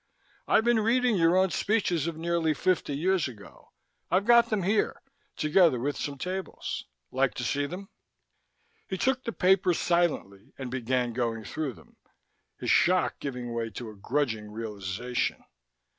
I've been reading your own speeches of nearly fifty years ago. I've got them here, together with some tables. Like to see them?" He took the papers silently and began going through them, his shock giving way to a grudging realization.